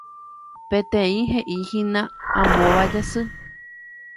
Peteĩ heʼíhina “Amóva Jasy”.